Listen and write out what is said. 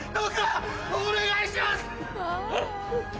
お願いします！